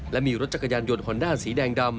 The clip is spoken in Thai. และมีรถจักรยานยนต์ฮอนด้าสีแดงดำ